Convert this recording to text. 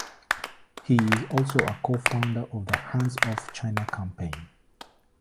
He is also a co-founder of the Hands off China Campaign.